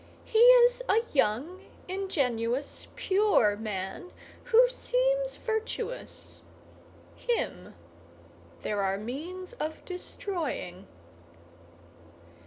He is a young, ingenuous, pure man who seems virtuous; him there are means of destroying."